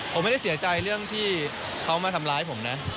ผมไม่ได้เสียใจเรื่องที่เขามาทำร้ายผมนะ